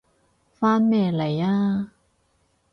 返咩嚟啊？